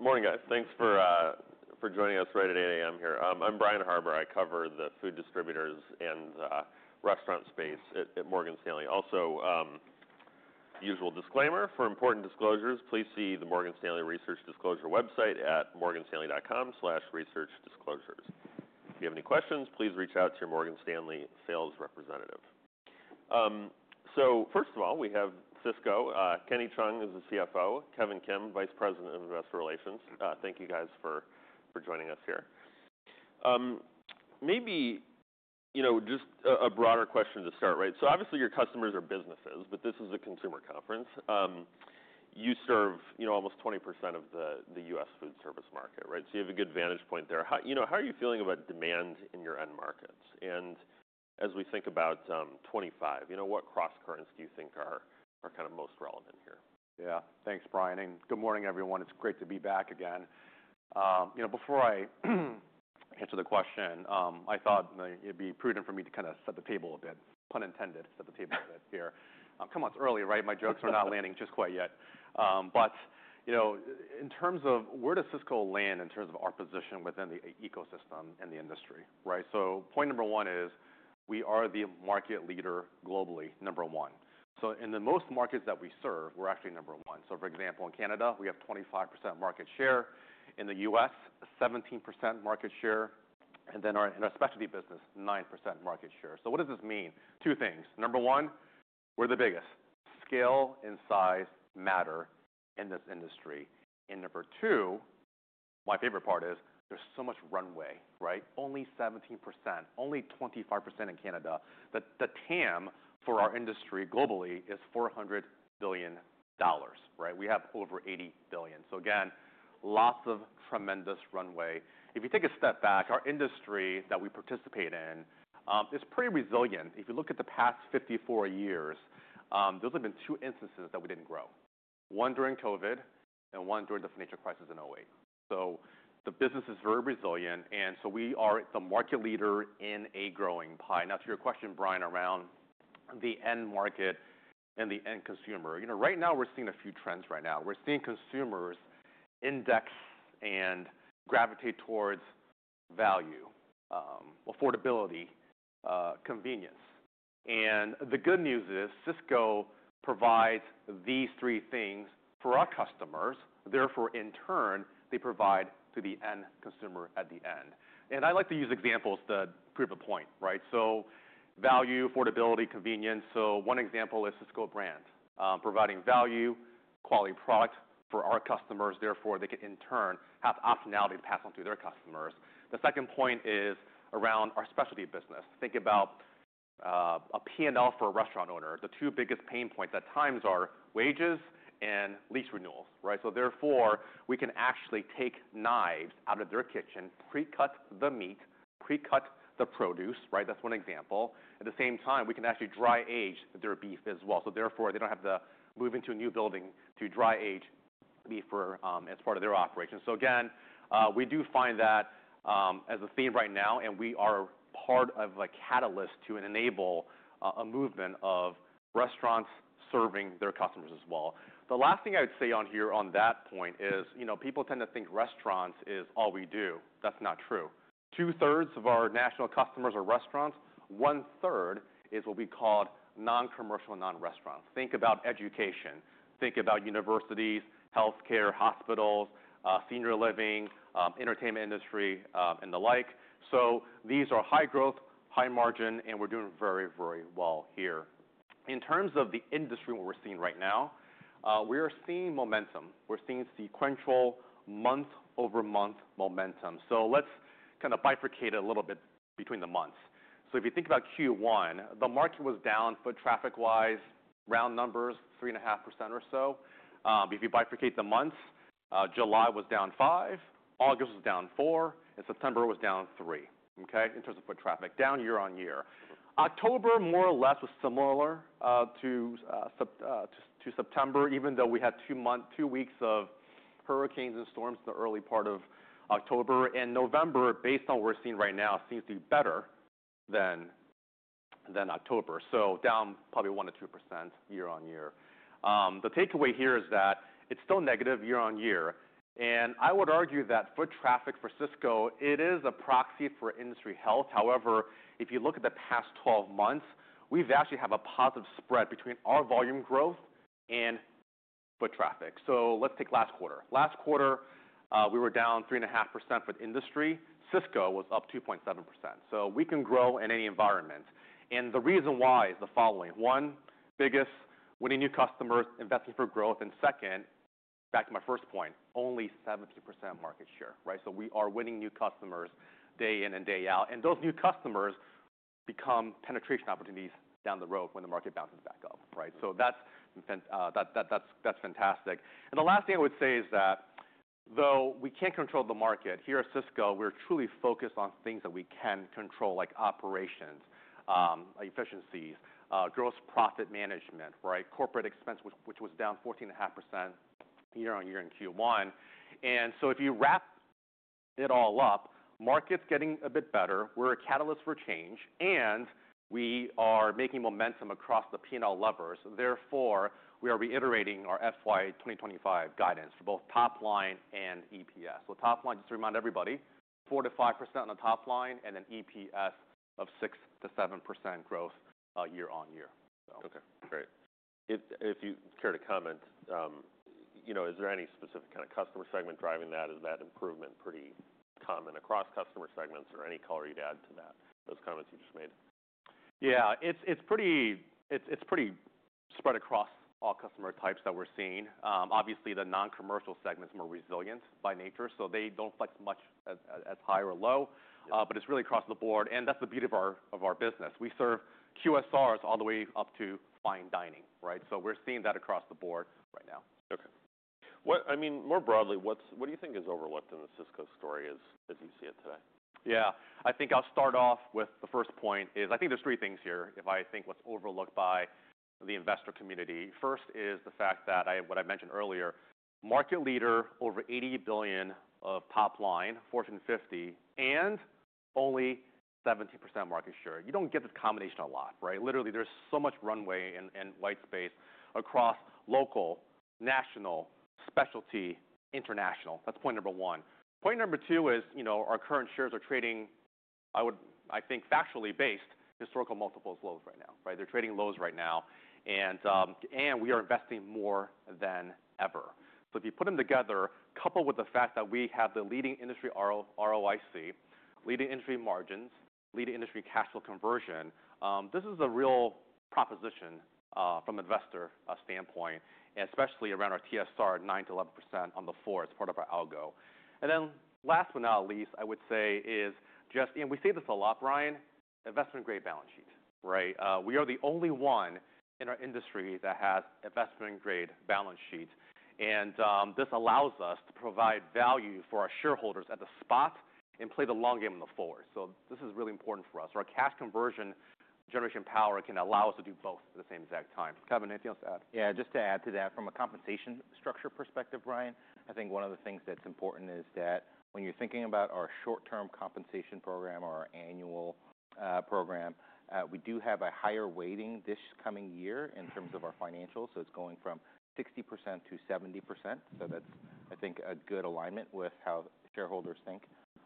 Morning, guys. Thanks for joining us right at 8:00 A.M. here. I'm Brian Harbour. I cover the food distributors and restaurant space at Morgan Stanley. Also, usual disclaimer: for important disclosures, please see the Morgan Stanley Research Disclosure website at morganstanley.com/researchdisclosures. If you have any questions, please reach out to your Morgan Stanley sales representative. So first of all, we have Sysco. Kenny Cheung is the CFO, Kevin Kim, Vice President of Investor Relations. Thank you, guys, for joining us here. Maybe, you know, just a broader question to start, right? So obviously, your customers are businesses, but this is a consumer conference. You serve, you know, almost 20% of the U.S. food service market, right? So you have a good vantage point there. How, you know, are you feeling about demand in your end markets? As we think about 2025, you know, what cross currents do you think are kind of most relevant here? Yeah. Thanks, Brian, and good morning, everyone. It's great to be back again. You know, before I answer the question, I thought, you know, it'd be prudent for me to kind of set the table a bit, pun intended, set the table a bit here. Come on, it's early, right? My jokes are not landing just quite yet. But, you know, in terms of where does Sysco land in terms of our position within the ecosystem and the industry, right? So point number one is we are the market leader globally, number one. So in the most markets that we serve, we're actually number one. So for example, in Canada, we have 25% market share. In the U.S., 17% market share. And then our specialty business, 9% market share. So what does this mean? Two things. Number one, we're the biggest. Scale and size matter in this industry. And number two, my favorite part is there's so much runway, right? Only 17%, only 25% in Canada. The TAM for our industry globally is $400 billion, right? We have over $80 billion. So again, lots of tremendous runway. If you take a step back, our industry that we participate in is pretty resilient. If you look at the past 54 years, those have been two instances that we didn't grow: one during COVID and one during the financial crisis in 2008. So the business is very resilient. And so we are the market leader in a growing pie. Now, to your question, Brian, around the end market and the end consumer, you know, right now we're seeing a few trends. Right now we're seeing consumers index and gravitate towards value, affordability, convenience. And the good news is Sysco provides these three things for our customers. Therefore, in turn, they provide to the end consumer at the end. And I like to use examples to prove a point, right? So value, affordability, convenience. So one example is Sysco Brand, providing value, quality product for our customers. Therefore, they can, in turn, have optionality to pass on to their customers. The second point is around our specialty business. Think about, a P&L for a restaurant owner. The two biggest pain points at times are wages and lease renewals, right? So therefore, we can actually take knives out of their kitchen, pre-cut the meat, pre-cut the produce, right? That's one example. At the same time, we can actually dry age their beef as well. So therefore, they don't have to move into a new building to dry age beef for, as part of their operation. So again, we do find that, as a theme right now, and we are part of a catalyst to enable a movement of restaurants serving their customers as well. The last thing I would say on here on that point is, you know, people tend to think restaurants is all we do. That's not true. Two-thirds of our national customers are restaurants. One-third is what we call non-commercial, non-restaurants. Think about education. Think about universities, healthcare, hospitals, senior living, entertainment industry, and the like. So these are high growth, high margin, and we're doing very, very well here. In terms of the industry, what we're seeing right now, we are seeing momentum. We're seeing sequential month-over-month momentum. So let's kind of bifurcate it a little bit between the months. So if you think about Q1, the market was down foot traffic-wise, round numbers, 3.5% or so. If you bifurcate the months, July was down 5%, August was down 4%, and September was down 3%, okay, in terms of foot traffic, down year-on-year. October more or less was similar to September, even though we had two weeks of hurricanes and storms in the early part of October. And November, based on what we're seeing right now, seems to be better than October, so down probably 1% or 2% year-on-year. The takeaway here is that it's still negative year-on-year. And I would argue that foot traffic for Sysco, it is a proxy for industry health. However, if you look at the past 12 months, we've actually had a positive spread between our volume growth and foot traffic. So let's take last quarter. Last quarter, we were down 3.5% for the industry. Sysco was up 2.7%. So we can grow in any environment. And the reason why is the following: one, biggest winning new customers investing for growth. And second, back to my first point, only 70% market share, right? So we are winning new customers day in and day out. And those new customers become penetration opportunities down the road when the market bounces back up, right? So that's fantastic. And the last thing I would say is that though we can't control the market, here at Sysco, we're truly focused on things that we can control, like operations, efficiencies, gross profit management, right? Corporate expense, which was down 14.5% year-on-year in Q1. And so if you wrap it all up, market's getting a bit better. We're a catalyst for change, and we are making momentum across the P&L levers. Therefore, we are reiterating our FY 2025 guidance for both top line and EPS, so top line, just to remind everybody, 4%-5% on the top line and an EPS of 6%-7% growth, year-on-year, so. Okay. Great. If you care to comment, you know, is there any specific kind of customer segment driving that? Is that improvement pretty common across customer segments or any color you'd add to that, those comments you just made? Yeah. It's pretty spread across all customer types that we're seeing. Obviously, the non-commercial segment's more resilient by nature, so they don't flex much as high or low. Yeah. But it's really across the board, and that's the beauty of our business. We serve QSRs all the way up to fine dining, right, so we're seeing that across the board right now. Okay. What, I mean, more broadly, what do you think is overlooked in the Sysco story as you see it today? Yeah. I think I'll start off with the first point is I think there's three things here, if I think what's overlooked by the investor community. First is the fact that I, what I mentioned earlier, market leader, over $80 billion of top line, Fortune 50, and only 17% market share. You don't get this combination a lot, right? Literally, there's so much runway and, and white space across local, national, specialty, international. That's point number one. Point number two is, you know, our current shares are trading, I would, I think, factually based historical multiples lows right now, right? They're trading lows right now. And, and we are investing more than ever. So if you put them together, coupled with the fact that we have the leading industry ROIC, leading industry margins, leading industry cash flow conversion, this is a real proposition from investor standpoint, especially around our TSR 9%-11% on the floor. It's part of our algo. And then last but not least, I would say is just, and we say this a lot, Brian, investment-grade balance sheet, right? We are the only one in our industry that has investment-grade balance sheet. And this allows us to provide value for our shareholders at the spot and play the long game on the floor. So this is really important for us. Our cash conversion generation power can allow us to do both at the same exact time. Kevin, anything else to add? Yeah. Just to add to that, from a compensation structure perspective, Brian, I think one of the things that's important is that when you're thinking about our short-term compensation program or our annual program, we do have a higher weighting this coming year in terms of our financials. So it's going from 60%-70%. So that's, I think, a good alignment with how shareholders think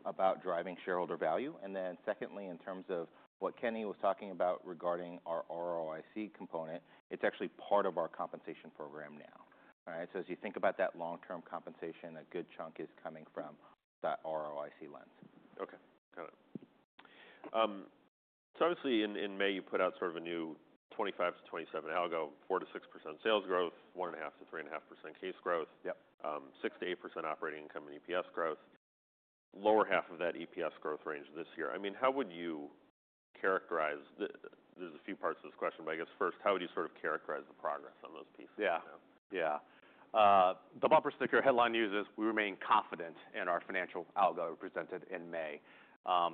about driving shareholder value. And then secondly, in terms of what Kenny was talking about regarding our ROIC component, it's actually part of our compensation program now, right? So as you think about that long-term compensation, a good chunk is coming from that ROIC lens. Okay. Got it. So obviously, in May, you put out sort of a new 25-27 algo, 4%-6% sales growth, 1.5%-3.5% case growth. Yep. 6%-8% operating income and EPS growth, lower half of that EPS growth range this year. I mean, there's a few parts of this question, but I guess first, how would you sort of characterize the progress on those pieces? Yeah. Yeah. The bumper sticker headline news is we remain confident in our financial algo we presented in May.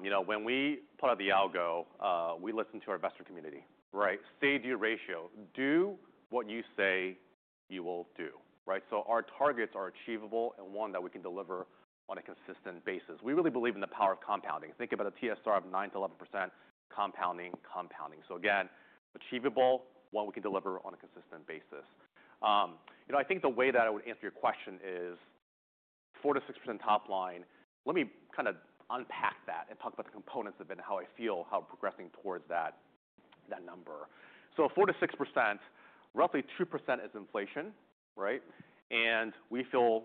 You know, when we put out the algo, we listen to our investor community, right? Say-do ratio, do what you say you will do, right? So our targets are achievable and one that we can deliver on a consistent basis. We really believe in the power of compounding. Think about a TSR of 9%-11% compounding, compounding. So again, achievable, one we can deliver on a consistent basis. You know, I think the way that I would answer your question is 4%-6% top line. Let me kind of unpack that and talk about the components of it and how I feel, how progressing towards that, that number. So 4%-6%, roughly 2% is inflation, right? And we feel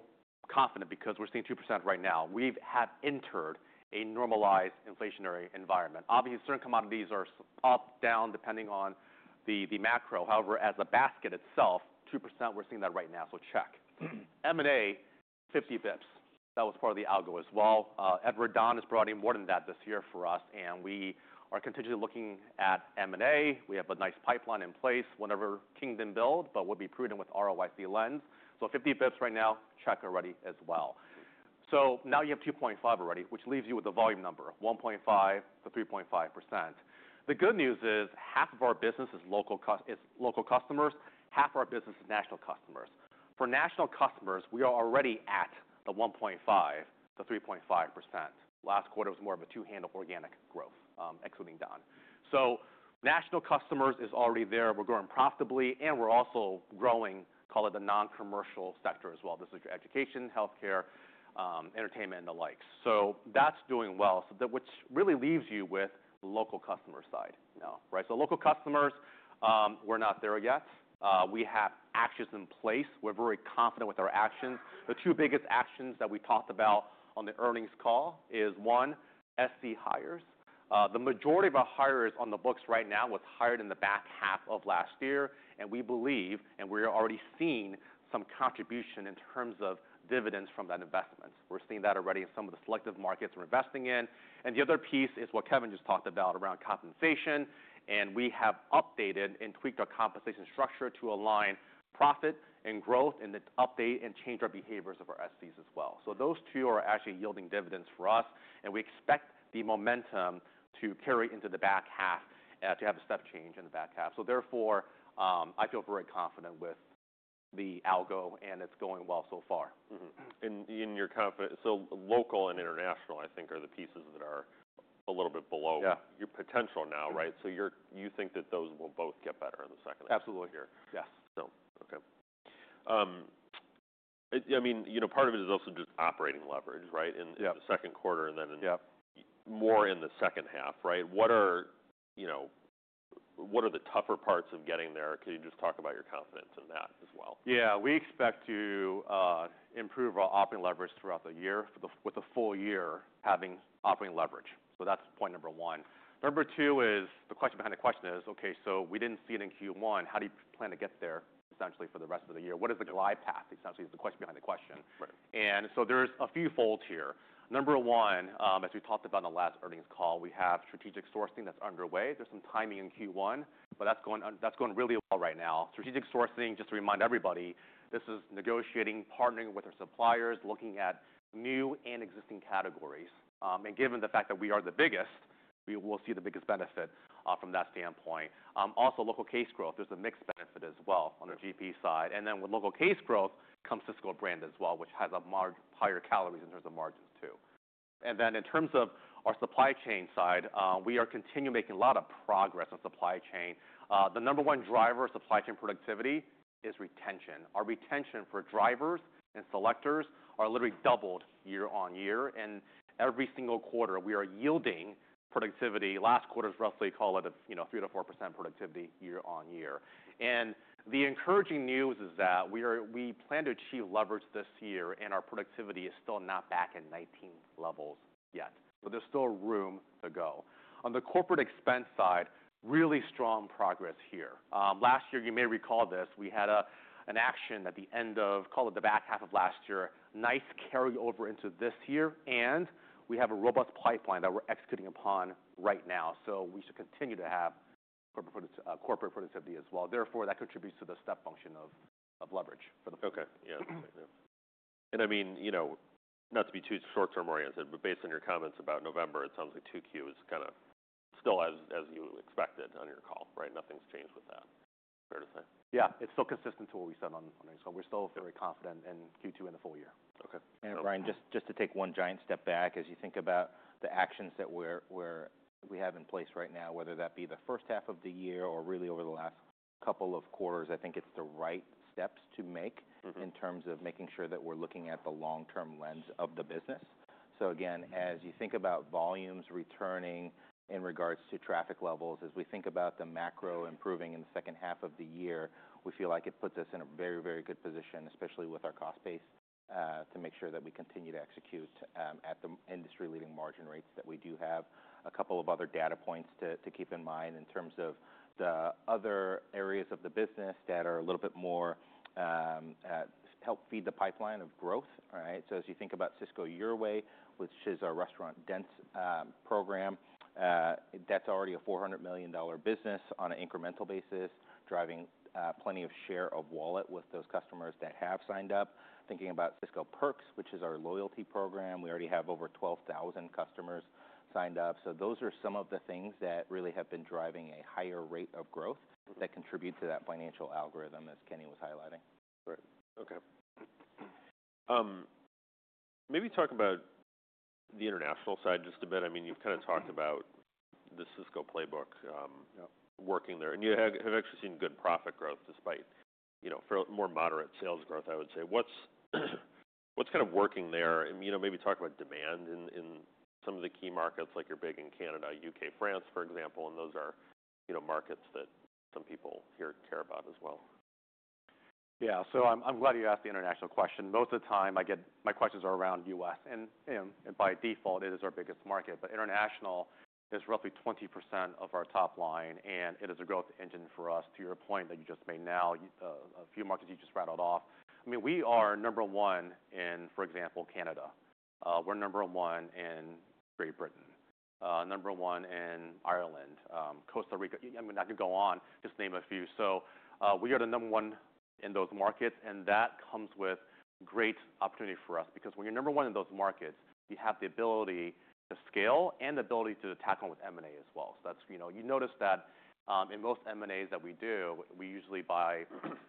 confident because we're seeing 2% right now. We've entered a normalized inflationary environment. Obviously, certain commodities are up, down, depending on the macro. However, as a basket itself, 2%, we're seeing that right now. So check. M&A, 50 basis points. That was part of the algo as well. Edward Don has brought in more than that this year for us. And we are continually looking at M&A. We have a nice pipeline in place, whenever we can build, but we'll be prudent with ROIC lens. So 50 basis points right now, check already as well. So now you have 2.5 already, which leaves you with the volume number, 1.5%-3.5%. The good news is half of our business is local customers. Half of our business is national customers. For national customers, we are already at the 1.5%-3.5%. Last quarter was more of a two-handle organic growth, excluding Don. So national customers is already there. We're growing profitably, and we're also growing, call it the non-commercial sector as well. This is your education, healthcare, entertainment, and the likes. So that's doing well. So that which really leaves you with the local customer side now, right? So local customers, we're not there yet. We have actions in place. We're very confident with our actions. The two biggest actions that we talked about on the earnings call is one, SC hires. The majority of our hires on the books right now was hired in the back half of last year. And we believe, and we're already seeing some contribution in terms of dividends from that investment. We're seeing that already in some of the selective markets we're investing in. And the other piece is what Kevin just talked about around compensation. We have updated and tweaked our compensation structure to align profit and growth and update and change our behaviors of our SCs as well. Those two are actually yielding dividends for us. We expect the momentum to carry into the back half, to have a step change in the back half. Therefore, I feel very confident with the algo, and it's going well so far. Mm-hmm. And in your confidence, so local and international, I think, are the pieces that are a little bit below. Yeah. Your potential now, right? So you're, you think that those will both get better in the second quarter here. Absolutely. Yes. So, okay. I mean, you know, part of it is also just operating leverage, right? In. Yep. The second quarter and then in. Yep. More in the second half, right? What are, you know, the tougher parts of getting there? Could you just talk about your confidence in that as well? Yeah. We expect to improve our operating leverage throughout the year, with the full year having operating leverage. So that's point number one. Number two is the question behind the question: okay, so we didn't see it in Q1. How do you plan to get there essentially for the rest of the year? What is the glide path essentially is the question behind the question. Right. And so there's a few folds here. Number one, as we talked about in the last earnings call, we have strategic sourcing that's underway. There's some timing in Q1, but that's going really well right now. Strategic sourcing, just to remind everybody, this is negotiating, partnering with our suppliers, looking at new and existing categories. And given the fact that we are the biggest, we will see the biggest benefit from that standpoint. Also, local case growth, there's a mixed benefit as well on the GP side. And then with local case growth comes Sysco Brand as well, which has a margin higher calories in terms of margins too. And then in terms of our supply chain side, we are continuing to make a lot of progress on supply chain. The number one driver of supply chain productivity is retention. Our retention for drivers and selectors are literally doubled year-on-year. And every single quarter, we are yielding productivity. Last quarter's roughly call it a, you know, 3%-4% productivity year-on-year. And the encouraging news is that we are, we plan to achieve leverage this year, and our productivity is still not back at 19 levels yet. So there's still room to go. On the corporate expense side, really strong progress here. Last year, you may recall this, we had a, an action at the end of, call it the back half of last year, nice carryover into this year. And we have a robust pipeline that we're executing upon right now. So we should continue to have corporate productivity as well. Therefore, that contributes to the step function of leverage for the. Okay. Yeah. And I mean, you know, not to be too short-term oriented, but based on your comments about November, it sounds like 2Q is kind of still as you expected on your call, right? Nothing's changed with that, fair to say. Yeah. It's still consistent to what we said on X, so we're still very confident in Q2 and the full year. Okay. Brian, just to take one giant step back, as you think about the actions that we have in place right now, whether that be the first half of the year or really over the last couple of quarters, I think it's the right steps to make. Mm-hmm. In terms of making sure that we're looking at the long-term lens of the business. So again, as you think about volumes returning in regards to traffic levels, as we think about the macro improving in the second half of the year, we feel like it puts us in a very, very good position, especially with our cost base, to make sure that we continue to execute, at the industry-leading margin rates that we do have. A couple of other data points to keep in mind in terms of the other areas of the business that are a little bit more, help feed the pipeline of growth, right? So as you think about Sysco Your Way, which is our restaurant-dense, program, that's already a $400 million business on an incremental basis, driving, plenty of share of wallet with those customers that have signed up. Thinking about Sysco Perks, which is our loyalty program, we already have over 12,000 customers signed up. So those are some of the things that really have been driving a higher rate of growth that contribute to that financial algorithm, as Kenny was highlighting. Right. Okay. Maybe talk about the international side just a bit. I mean, you've kind of talked about the Sysco playbook, Yep. Working there. You have actually seen good profit growth despite, you know, fairly more moderate sales growth, I would say. What's kind of working there? You know, maybe talk about demand in some of the key markets, like you're big in Canada, U.K., France, for example. Those are, you know, markets that some people here care about as well. Yeah. So I'm glad you asked the international question. Most of the time I get my questions are around U.S. And, you know, by default, it is our biggest market. But international is roughly 20% of our top line. And it is a growth engine for us to your point that you just made now. A few markets you just rattled off. I mean, we are number one in, for example, Canada. We're number one in Great Britain, number one in Ireland, Costa Rica. I mean, I could go on, just to name a few. So, we are the number one in those markets. And that comes with great opportunity for us because when you're number one in those markets, you have the ability to scale and the ability to tack on with M&A as well. So that's, you know, you notice that, in most M&As that we do, we usually buy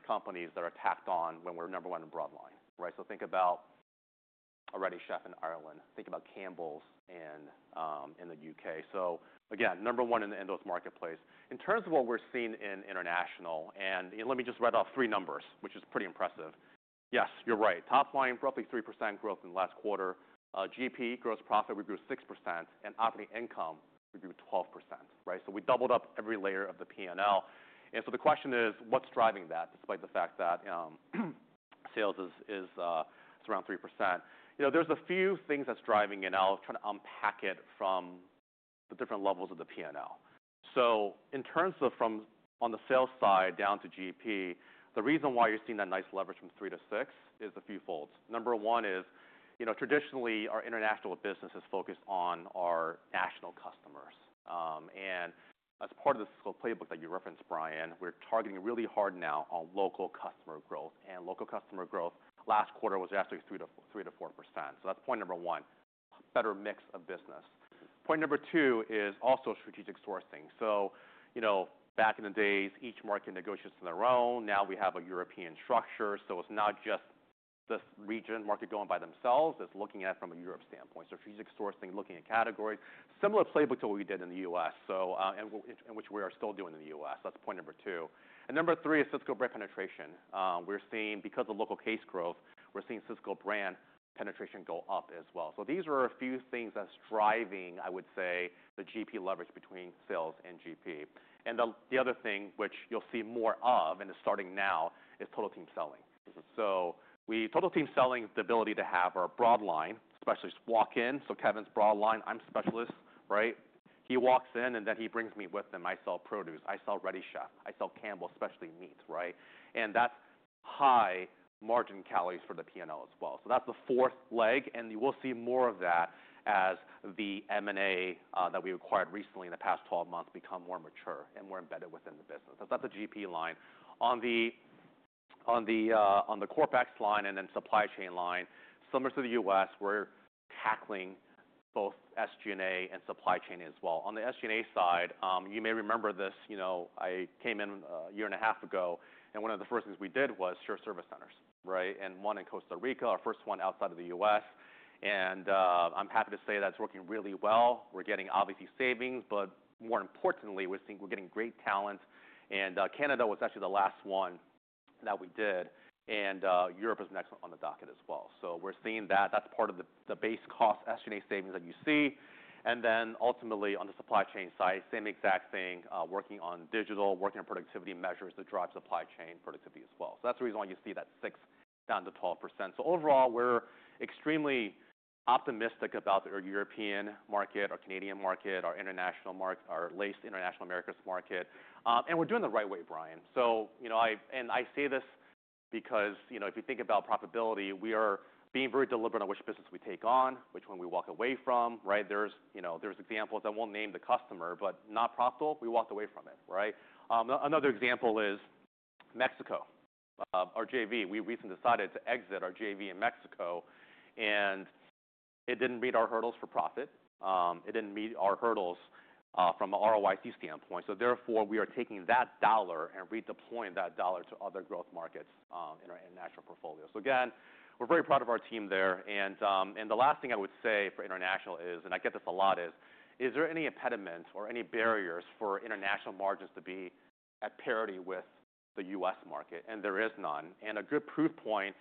companies that are tacked on when we're number one in broadline, right? So think about Ready Chef in Ireland. Think about Campbell Brothers and, in the U.K. So again, number one in those marketplaces. In terms of what we're seeing in international, and let me just right off three numbers, which is pretty impressive. Yes, you're right. Top line, roughly 3% growth in the last quarter. GP, gross profit, we grew 6%. And operating income, we grew 12%, right? So we doubled up every layer of the P&L. And so the question is, what's driving that despite the fact that, sales is, it's around 3%? You know, there's a few things that's driving it. I'll try to unpack it from the different levels of the P&L. So in terms of from on the sales side down to GP, the reason why you're seeing that nice leverage from 3 to 6 is a few folds. Number one is, you know, traditionally, our international business is focused on our national customers, and as part of the Sysco playbook that you referenced, Brian, we're targeting really hard now on local customer growth. Local customer growth last quarter was actually 3%-4%. So that's point number one, better mix of business. Point number two is also strategic sourcing. So, you know, back in the days, each market negotiates on their own. Now we have a European structure. So it's not just this region market going by themselves. It's looking at it from a Europe standpoint. So strategic sourcing, looking at categories, similar playbook to what we did in the U.S. So, and one in which we are still doing in the U.S. That's point number two. Number three is Sysco Brand penetration. We're seeing, because of local case growth, we're seeing Sysco Brand penetration go up as well. These are a few things that's driving, I would say, the GP leverage between sales and GP. The other thing which you'll see more of, and it's starting now, is Total Team Selling. Total Team Selling [is] the ability to have our broadline, especially walk-in. Kevin's broadline, I'm specialist, right? He walks in, and then he brings me with him. I sell produce. I sell Ready Chef. I sell Campbell, especially meat, right? That's high margin calories for the P&L as well. That's the fourth leg. We'll see more of that as the M&A that we acquired recently in the past 12 months become more mature and more embedded within the business. That's at the GP line. On the CorpEx line and then supply chain line, similar to the U.S., we're tackling both SG&A and supply chain as well. On the SG&A side, you may remember this, you know, I came in a year and a half ago, and one of the first things we did was shared service centers, right? And one in Costa Rica, our first one outside of the U.S. And, I'm happy to say that's working really well. We're getting obviously savings, but more importantly, we're seeing, we're getting great talent. And, Canada was actually the last one that we did. And, Europe is next on the docket as well. So we're seeing that. That's part of the base cost SG&A savings that you see. And then ultimately, on the supply chain side, same exact thing, working on digital, working on productivity measures that drive supply chain productivity as well. So that's the reason why you see that 6%-12%. So overall, we're extremely optimistic about the European market, our Canadian market, our international markets, our Latin American market, and we're doing the right way, Brian. So, you know, I say this because, you know, if you think about profitability, we are being very deliberate on which business we take on, which one we walk away from, right? You know, there's examples that I won't name the customer, but not profitable, we walked away from it, right? Another example is Mexico. Our JV, we recently decided to exit our JV in Mexico, and it didn't meet our hurdles for profit. It didn't meet our hurdles from a ROIC standpoint. So therefore, we are taking that dollar and redeploying that dollar to other growth markets in our international portfolio, so again, we're very proud of our team there. And, and the last thing I would say for international is, and I get this a lot, is, is there any impediment or any barriers for international margins to be at parity with the U.S. market? And there is none, and a good proof point,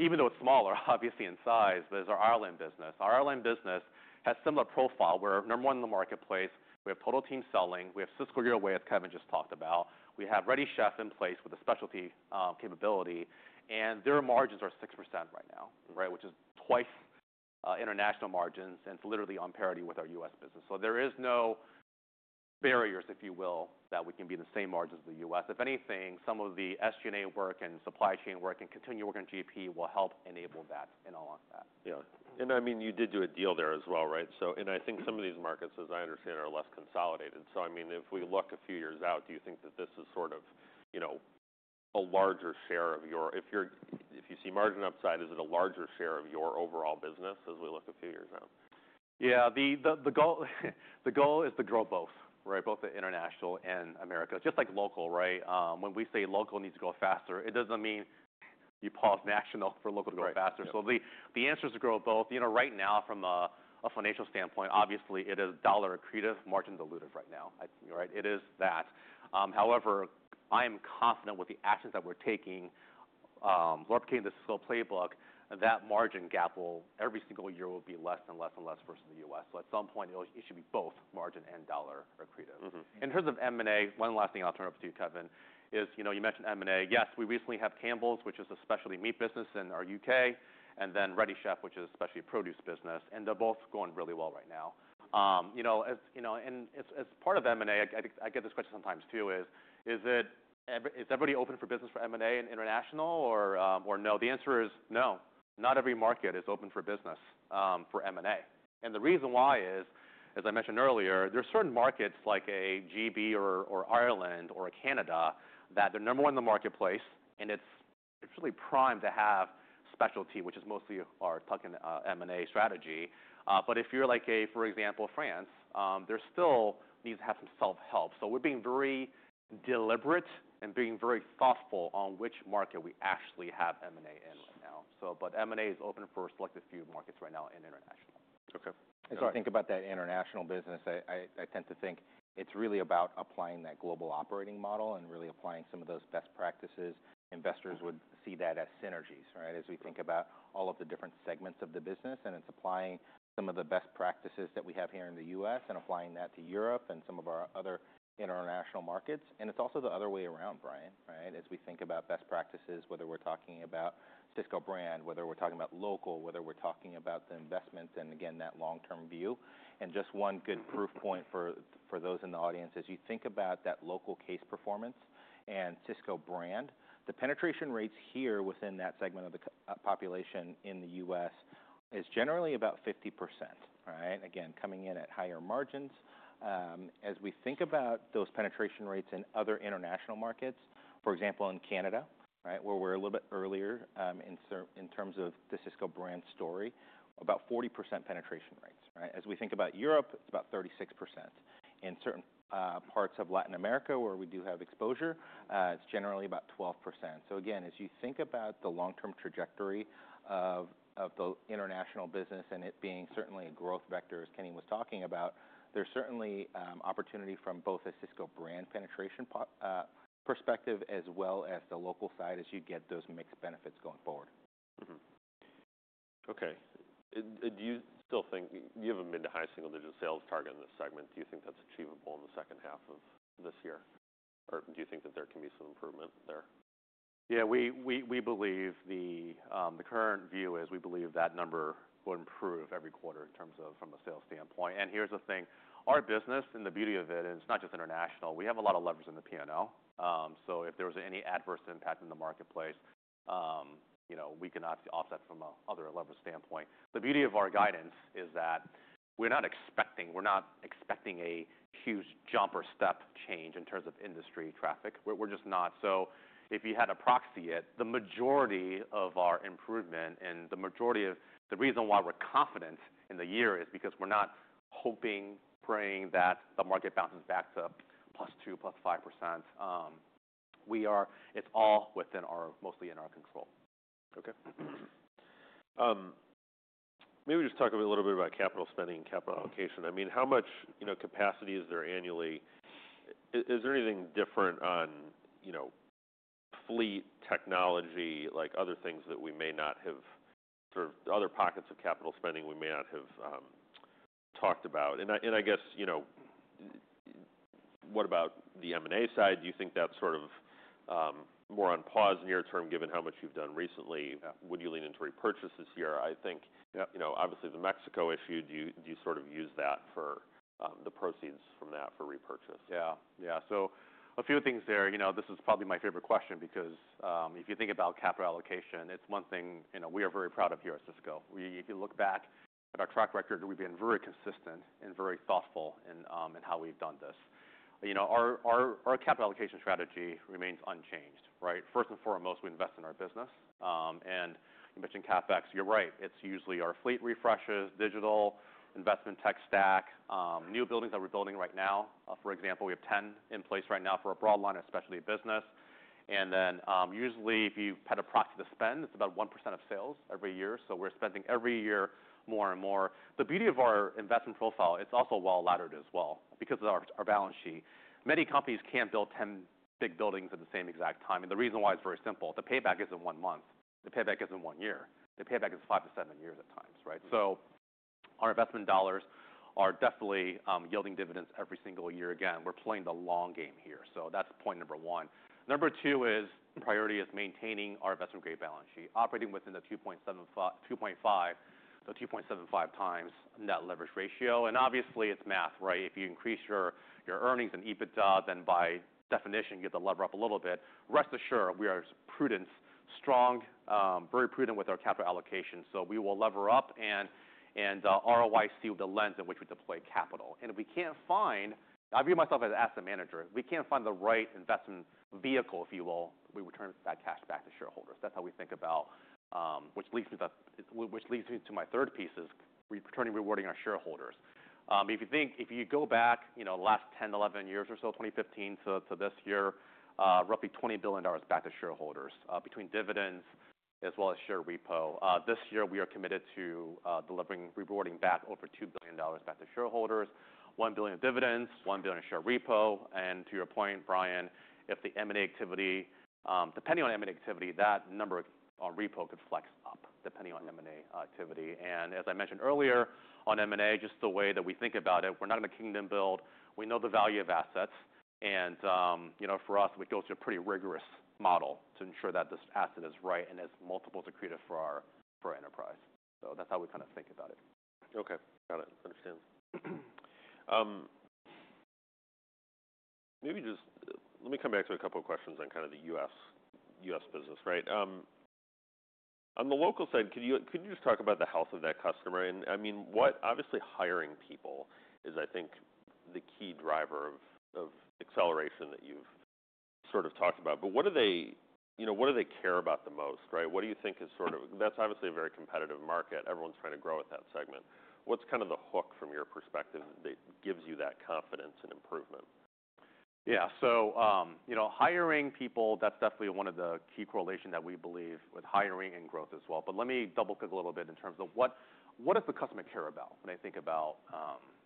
even though it's smaller, obviously in size, but is our Ireland business. Our Ireland business has similar profile. We're number one in the marketplace. We have Total Team Selling. We have Sysco Your Way, as Kevin just talked about. We have Ready Chef in place with a specialty capability. Their margins are 6% right now, right? Which is twice international margins, and it's literally on parity with our U.S. business. There is no barriers, if you will, that we can be the same margins as the U.S. If anything, some of the SG&A work and supply chain work and continuing work on GP will help enable that and all that. Yeah. And I mean, you did do a deal there as well, right? So, and I think some of these markets, as I understand, are less consolidated. So I mean, if we look a few years out, do you think that this is sort of, you know, a larger share of your, if you're, if you see margin upside, is it a larger share of your overall business as we look a few years out? Yeah. The goal is to grow both, right? Both the international and America, just like local, right? When we say local needs to grow faster, it doesn't mean you pause national for local to grow faster. So the answer is to grow both. You know, right now, from a financial standpoint, obviously it is dollar accretive, margin dilutive right now, right? It is that. However, I am confident with the actions that we're taking, leveraging the Sysco playbook, that margin gap will every single year be less and less and less versus the U.S. So at some point, it'll, it should be both margin and dollar accretive. Mm-hmm. In terms of M&A, one last thing I'll turn it over to you, Kevin, is you know you mentioned M&A. Yes, we recently have Campbell Brothers, which is a specialty meat business in our U.K, and then Ready Chef, which is a specialty produce business. And they're both going really well right now, you know, and it's part of M&A. I think I get this question sometimes too, is it ever, is everybody open for business for M&A and international or no? The answer is no. Not every market is open for business for M&A, and the reason why is, as I mentioned earlier, there are certain markets like GB or Ireland or Canada that they're number one in the marketplace, and it's really primed to have specialty, which is mostly our tuck-in M&A strategy. But if you're like a, for example, France, there still needs to have some self-help. So we're being very deliberate and being very thoughtful on which market we actually have M&A in right now. So, but M&A is open for a selected few markets right now in international. Okay. As I think about that international business, I tend to think it's really about applying that global operating model and really applying some of those best practices. Investors would see that as synergies, right? As we think about all of the different segments of the business, and it's applying some of the best practices that we have here in the U.S. and applying that to Europe and some of our other international markets, and it's also the other way around, Brian, right? As we think about best practices, whether we're talking about Sysco Brand, whether we're talking about local, whether we're talking about the investments, and again, that long-term view. And just one good proof point for those in the audience, as you think about that local case performance and Sysco Brand, the penetration rates here within that segment of the population, in the U.S, is generally about 50%, right? Again, coming in at higher margins. As we think about those penetration rates in other international markets, for example, in Canada, right, where we're a little bit earlier in terms of the Sysco Brand story, about 40% penetration rates, right? As we think about Europe, it's about 36%. In certain parts of Latin America where we do have exposure, it's generally about 12%. Again, as you think about the long-term trajectory of the international business and it being certainly a growth vector, as Kenny was talking about, there's certainly opportunity from both a Sysco Brand penetration perspective as well as the local side as you get those mixed benefits going forward. Mm-hmm. Okay. Do you still think you haven't been to high single digit sales target in this segment? Do you think that's achievable in the second half of this year? Or do you think that there can be some improvement there? Yeah. We believe the current view is we believe that number will improve every quarter in terms of from a sales standpoint. And here's the thing. Our business and the beauty of it, and it's not just international, we have a lot of levers in the P&L, so if there was any adverse impact in the marketplace, you know, we can obviously offset from a other lever standpoint. The beauty of our guidance is that we're not expecting a huge jumper step change in terms of industry traffic. We're just not. So if you had to proxy it, the majority of our improvement and the majority of the reason why we're confident in the year is because we're not hoping, praying that the market bounces back to +2% to 5%. We are, it's all within our, mostly in our control. Okay. Maybe just talk a little bit about capital spending and capital allocation. I mean, how much, you know, capacity is there annually? Is there anything different on, you know, fleet technology, like other things that we may not have sort of other pockets of capital spending we may not have talked about? And I guess, you know, what about the M&A side? Do you think that sort of more on pause near term, given how much you've done recently? Would you lean into repurchase this year? I think. Yep. You know, obviously the Mexico issue, do you sort of use that for the proceeds from that for repurchase? Yeah. Yeah. So a few things there. You know, this is probably my favorite question because, if you think about capital allocation, it's one thing, you know, we are very proud of here at Sysco. If you look back at our track record, we've been very consistent and very thoughtful in how we've done this. You know, our capital allocation strategy remains unchanged, right? First and foremost, we invest in our business, and you mentioned CapEx, you're right. It's usually our fleet refreshes, digital investment tech stack, new buildings that we're building right now, for example, we have 10 in place right now for a Broadline specialty business. And then, usually if you had to proxy the spend, it's about 1% of sales every year. So we're spending every year more and more. The beauty of our investment profile, it's also well laddered as well because of our, our balance sheet. Many companies can't build 10 big buildings at the same exact time. And the reason why it's very simple, the payback isn't one month. The payback isn't one year. The payback is five to seven years at times, right? So our investment dollars are definitely, yielding dividends every single year. Again, we're playing the long game here. So that's point number one. Number two is priority is maintaining our investment grade balance sheet, operating within the 2.75, 2.5, the 2.75 times net leverage ratio. And obviously it's math, right? If you increase your, your earnings and EBITDA, then by definition, you get to lever up a little bit. Rest assured, we are prudent, strong, very prudent with our capital allocation. So we will lever up and ROIC with the lens in which we deploy capital. And if we can't find, I view myself as an asset manager, if we can't find the right investment vehicle, if you will, we return that cash back to shareholders. That's how we think about, which leads me to my third piece is returning rewarding our shareholders. If you think, if you go back, you know, last 10, 11 years or so, 2015 to this year, roughly $20 billion back to shareholders, between dividends as well as share repo. This year we are committed to delivering rewarding back over $2 billion back to shareholders, one billion dividends, one billion share repo. And to your point, Brian, if the M&A activity, depending on M&A activity, that number on repo could flex up. As I mentioned earlier on M&A, just the way that we think about it, we're not gonna kingdom build. We know the value of assets. You know, for us, we go through a pretty rigorous model to ensure that this asset is right and it's multiples accretive for our, for our enterprise. That's how we kind of think about it. Okay. Got it. Understand. Maybe just let me come back to a couple of questions on kind of the U.S., U.S. business, right? On the local side, could you, could you just talk about the health of that customer? And I mean, what obviously hiring people is, I think, the key driver of, of acceleration that you've sort of talked about. But what do they, you know, what do they care about the most, right? What do you think is sort of, that's obviously a very competitive market. Everyone's trying to grow at that segment. What's kind of the hook from your perspective that gives you that confidence and improvement? Yeah. So, you know, hiring people, that's definitely one of the key correlations that we believe with hiring and growth as well. But let me double click a little bit in terms of what, what does the customer care about when I think about,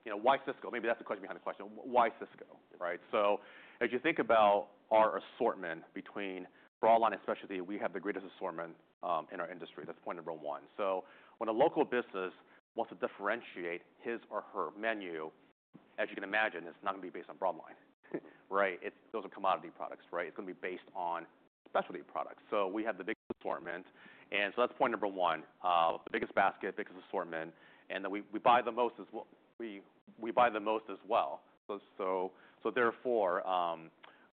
you know, why Sysco? Maybe that's the question behind the question. Why Sysco, right? So as you think about our assortment between broadline and specialty, we have the greatest assortment, in our industry. That's point number one. So when a local business wants to differentiate his or her menu, as you can imagine, it's not gonna be based on broadline, right? It's those are commodity products, right? It's gonna be based on specialty products. So we have the biggest assortment. And so that's point number one. The biggest basket, biggest assortment. And then we buy the most as well. We buy the most as well. So therefore,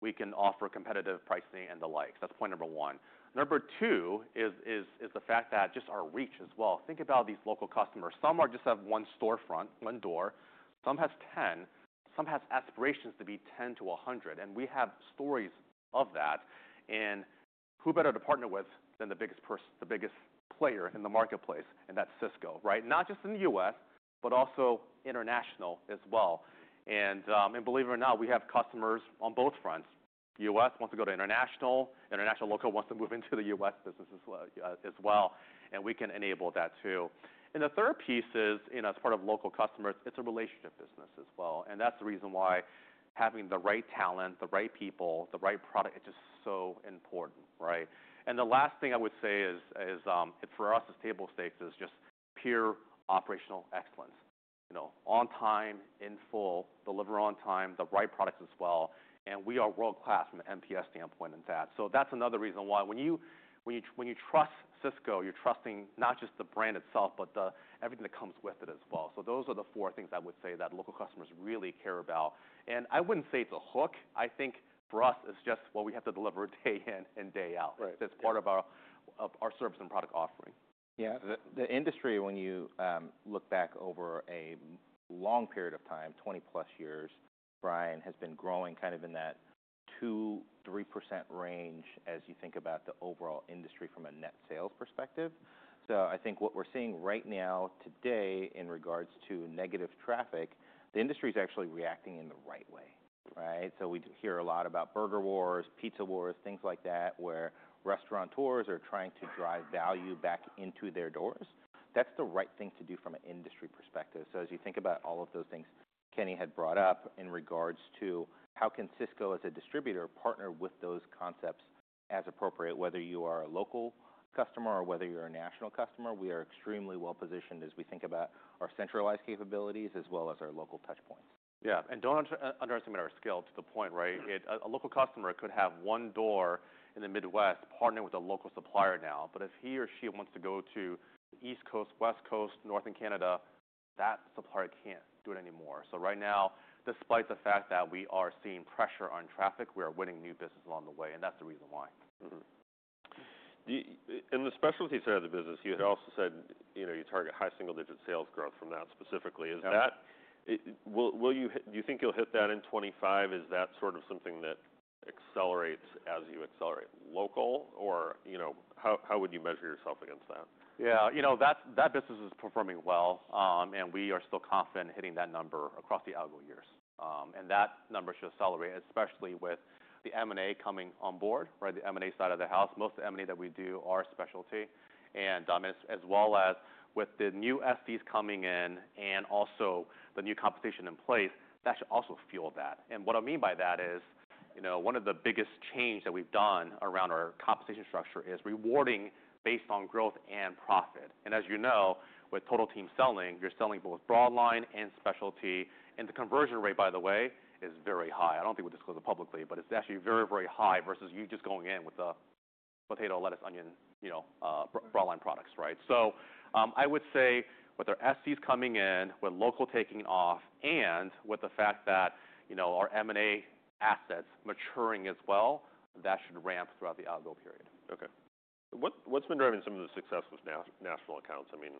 we can offer competitive pricing and the likes. That's point number one. Number two is the fact that just our reach as well. Think about these local customers. Some are just have one storefront, one door. Some has 10. Some has aspirations to be 10 to 100, and we have stories of that. Who better to partner with than the biggest person, the biggest player in the marketplace? That's Sysco, right? Not just in the U.S., but also international as well. Believe it or not, we have customers on both fronts. U.S. wants to go to international. International local wants to move into the U.S. business as well, and we can enable that too. And the third piece is, you know, as part of local customers, it's a relationship business as well. And that's the reason why having the right talent, the right people, the right product, it's just so important, right? And the last thing I would say is, for us, it's table stakes, just pure operational excellence, you know, on time, in full, deliver on time, the right products as well. And we are world class from an NPS standpoint in that. So that's another reason why when you trust Sysco, you're trusting not just the brand itself, but the everything that comes with it as well. So those are the four things I would say that local customers really care about. And I wouldn't say it's a hook. I think for us, it's just what we have to deliver day in and day out. Right. It's part of our service and product offering. Yeah. The industry, when you look back over a long period of time, 20+ years, Brian has been growing kind of in that 2%-3% range as you think about the overall industry from a net sales perspective. So I think what we're seeing right now today in regards to negative traffic, the industry is actually reacting in the right way, right? So we hear a lot about burger wars, pizza wars, things like that, where restaurateurs are trying to drive value back into their doors. That's the right thing to do from an industry perspective. So as you think about all of those things Kenny had brought up in regards to how can Sysco as a distributor partner with those concepts as appropriate, whether you are a local customer or whether you're a national customer, we are extremely well positioned as we think about our centralized capabilities as well as our local touch points. Yeah. And don't underestimate our scale to the point, right? A local customer could have one door in the Midwest partnering with a local supplier now. But if he or she wants to go to East Coast, West Coast, Northern Canada, that supplier can't do it anymore. So right now, despite the fact that we are seeing pressure on traffic, we are winning new business along the way. And that's the reason why. Mm-hmm. Do you, in the specialty side of the business, you had also said, you know, you target high single digit sales growth from that specifically. Is that, will you, do you think you'll hit that in 2025? Is that sort of something that accelerates as you accelerate local? Or, you know, how would you measure yourself against that? Yeah. You know, that, that business is performing well. And we are still confident in hitting that number across the algo years. And that number should accelerate, especially with the M&A coming on board, right? The M&A side of the house, most of the M&A that we do are Specialty. And, as well as with the new SCs coming in and also the new compensation in place, that should also fuel that. And what I mean by that is, you know, one of the biggest changes that we've done around our compensation structure is rewarding based on growth and profit. And as you know, with Total Team Selling, you're selling both Broadline and Specialty. And the conversion rate, by the way, is very high. I don't think we disclose it publicly, but it's actually very, very high versus you just going in with a potato, lettuce, onion, you know, broadline products, right? So, I would say with our SCs coming in, with local taking off, and with the fact that, you know, our M&A assets maturing as well, that should ramp throughout the algo period. Okay. What's been driving some of the success with national accounts? I mean,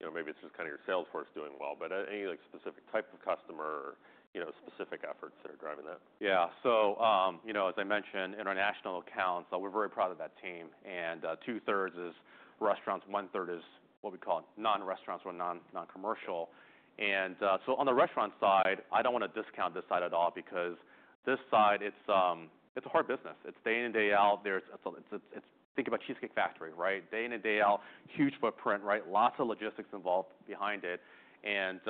you know, maybe it's just kind of your sales force doing well, but any like specific type of customer, you know, specific efforts that are driving that? Yeah. So, you know, as I mentioned, international accounts, we're very proud of that team. And two thirds is restaurants, one third is what we call non-restaurants or non-commercial. And so on the restaurant side, I don't wanna discount this side at all because this side, it's a hard business. It's day in and day out. Think about Cheesecake Factory, right? Day in and day out, huge footprint, right? Lots of logistics involved behind it. And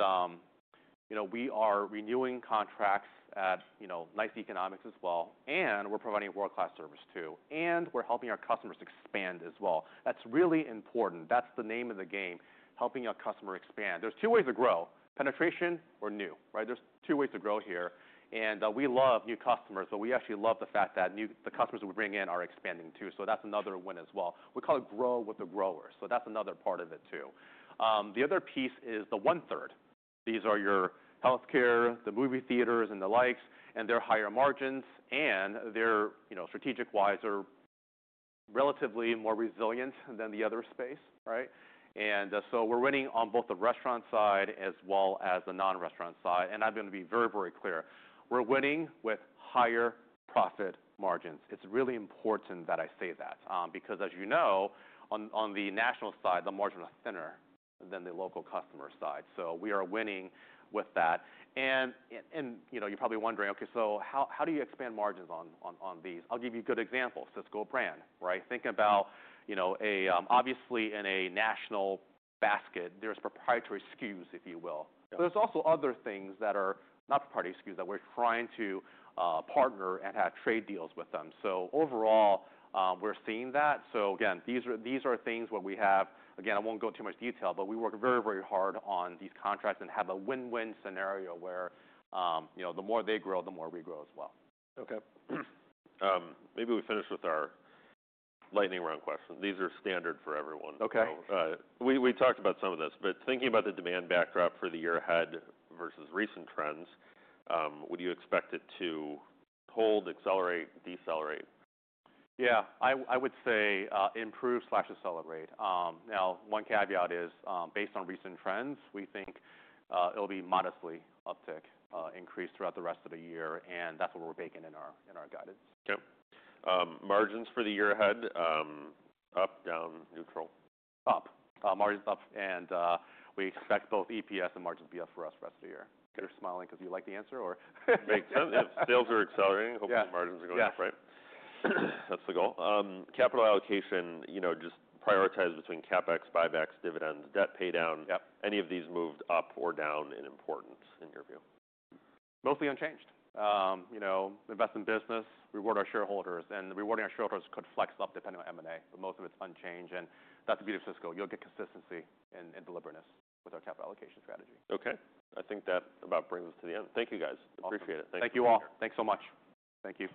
you know, we are renewing contracts at, you know, nice economics as well. And we're providing world class service too. And we're helping our customers expand as well. That's really important. That's the name of the game, helping our customer expand. There's two ways to grow, penetration or new, right? There's two ways to grow here. And we love new customers, but we actually love the fact that the new customers that we bring in are expanding too. So that's another win as well. We call it grow with the grower. So that's another part of it too. The other piece is the one-third. These are your healthcare, the movie theaters, and the like, and they're higher margins. And they're, you know, strategic wise, they're relatively more resilient than the other space, right? And so we're winning on both the restaurant side as well as the non-restaurant side. And I'm gonna be very, very clear. We're winning with higher profit margins. It's really important that I say that, because as you know, on the national side, the margins are thinner than the local customer side. So we are winning with that. you know, you're probably wondering, okay, so how do you expand margins on these? I'll give you a good example, Sysco Brand, right? Think about, you know, a, obviously in a national basket, there's proprietary SKUs, if you will. Yeah. But there are also other things that are not proprietary SKUs that we're trying to partner and have trade deals with them. So overall, we're seeing that. So again, these are, these are things where we have, again, I won't go into too much detail, but we work very, very hard on these contracts and have a win-win scenario where, you know, the more they grow, the more we grow as well. Okay. Maybe we finish with our lightning round question. These are standard for everyone. Okay. We talked about some of this, but thinking about the demand backdrop for the year ahead versus recent trends, would you expect it to hold, accelerate, decelerate? Yeah. I would say improve slash accelerate. Now one caveat is, based on recent trends, we think it'll be modest uptick, increase throughout the rest of the year, and that's what we're baking in our guidance. Okay. Margins for the year ahead, up, down, neutral? Up, margins up, and we expect both EPS and margins to be up for us the rest of the year. Okay. You're smiling 'cause you like the answer or? Makes sense. If sales are accelerating, hopefully margins are going up, right? Yeah. That's the goal. Capital allocation, you know, just prioritize between CapEx, buybacks, dividends, debt pay down. Yep. Any of these moved up or down in importance in your view? Mostly unchanged. You know, invest in business, reward our shareholders. And the rewarding our shareholders could flex up depending on M&A, but most of it's unchanged. And that's the beauty of Sysco. You'll get consistency and deliberateness with our capital allocation strategy. Okay. I think that about brings us to the end. Thank you guys. Awesome. Appreciate it. Thank you. Thank you all. Thanks so much. Thank you.